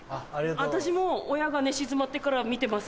私も親が寝静まってから見てます。